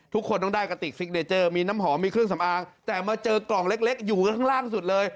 ทุกคนต้องได้กระติกซิกเนเจอร์มีน้ำหอมมีเครื่องสำอางแต่มาเจอกล่องเล็กอยู่ข้างล่างสุดเลย